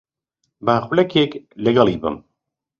با خولەکێک لەگەڵی بم.